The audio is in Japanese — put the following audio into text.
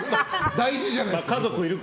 大事じゃないですか。